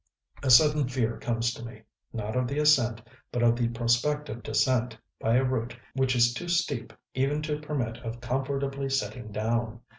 A sudden fear comes to me, not of the ascent, but of the prospective descent by a route which is too steep even to permit of comfortably sitting down.